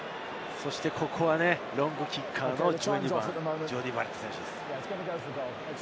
ここはロングキッカーのジョーディー・バレット選手です。